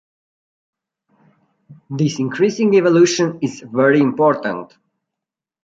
This increasing evolution is very important.